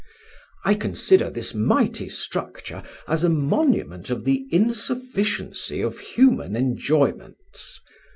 "I consider this mighty structure as a monument of the insufficiency of human enjoyments.